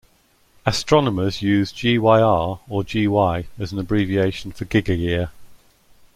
Astronomers use Gyr or Gy as an abbreviation for gigayear.